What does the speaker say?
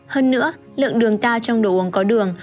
hơn nữa lượng đường cao trong đồ uống có đường